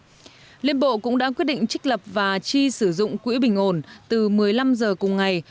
ba trăm sáu mươi sáu đồng một kg liên bộ cũng đã quyết định trích lập và chi sử dụng quỹ bình ổn từ một mươi năm giờ cùng ngày